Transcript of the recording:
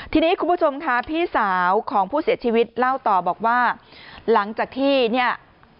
ทีนี้คุณผู้ชมค่ะพี่สาวของผู้เสียชีวิตเล่าต่อบอกว่าหลังจากที่เนี่ย